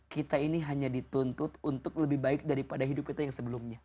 kita ini hanya dituntut untuk lebih baik daripada hidup kita yang sebelumnya